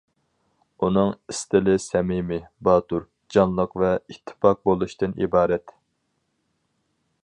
ئۇنىڭ ئىستىلى سەمىمىي، باتۇر، جانلىق ۋە ئىتتىپاق بولۇشتىن ئىبارەت.